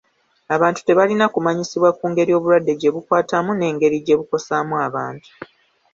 Abantu tebalina kumanyisibwa ku ngeri obulwadde gye bukwatamu n'engeri gye bukosaamu abantu.